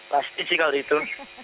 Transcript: pasti sih kalau itu